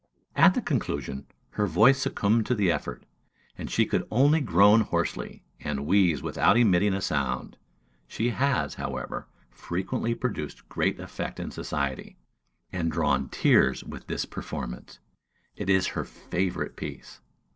At the conclusion, her voice succumbed to the effort, and she could only groan hoarsely, and wheeze without emitting a sound. She has, however, frequently produced great effect in society, and drawn tears with this performance: it is her favorite piece.